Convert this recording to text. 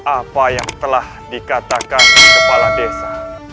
apa yang telah dikatakan kepala desa